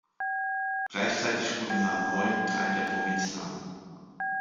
Gleichzeitig wurde Na Noi Teil der Provinz Nan.